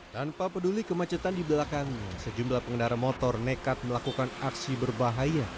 tanpa peduli kemacetan di belakangnya sejumlah pengendara motor nekat melakukan aksi berbahaya